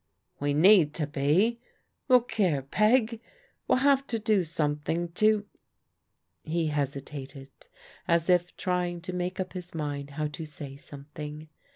"We need to be. Look here. Peg, we'll have to do something to " He hesitated as if tr3ring to make up his mind how to say something.